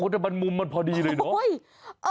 แต่มันมุมมันพอดีเลยเนอะ